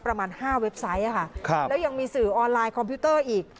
ประมาณ๕เว็บไซต์แล้วยังมีสื่อออนไลน์คอมพิวเตอร์อีก